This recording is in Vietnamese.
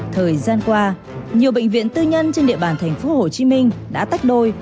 thời gian qua nhiều bệnh viện tư nhân trên địa bàn tp hcm đã tách đôi